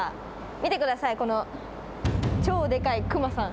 見てください、この超でかいクマさん。